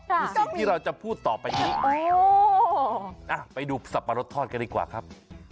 คือสิ่งที่เราจะพูดต่อไปนี้ไปดูสับปะรดทอดกันดีกว่าครับ